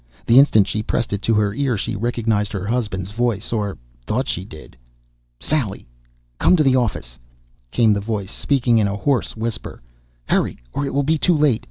The instant she pressed it to her ear she recognized her husband's voice or thought she did. "Sally, come to the office!" came the voice, speaking in a hoarse whisper. "Hurry or it will be too late!